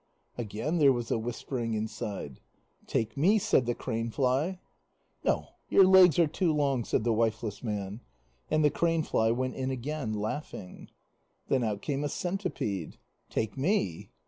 Again there was a whispering inside. "Take me," said the cranefly. "No, your legs are too long," said the wifeless man. And the cranefly went in again, laughing. Then out came a centipede. "Take me."